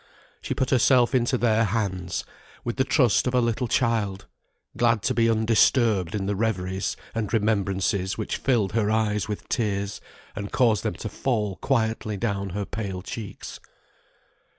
She put herself into their hands with the trust of a little child; glad to be undisturbed in the reveries and remembrances which filled her eyes with tears, and caused them to fall quietly down her pale cheeks.